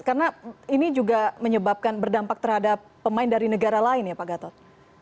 karena ini juga menyebabkan berdampak terhadap pemain dari negara lain ya pak gatot